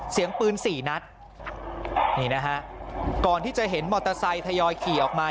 เสียงปืนสี่นัดนี่นะฮะก่อนที่จะเห็นมอเตอร์ไซค์ทยอยขี่ออกมา